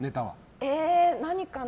えー、何かな？